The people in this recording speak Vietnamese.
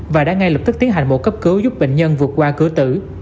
và đã ngay lập tức tiến hành mổ cấp cứu giúp bệnh nhân vượt qua cửa tử